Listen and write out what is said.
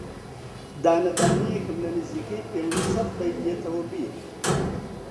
دانە دانەیێکم لە نزیکەی پێنجسەد بەیت دێتەوە بیر